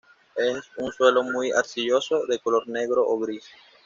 Es un suelo muy arcilloso, de color negro o gris.